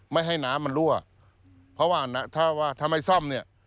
ไม่ให้น้ำมันรั่วเพราะว่าถ้าไม่ซ่อม